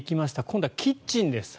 今度はキッチンです。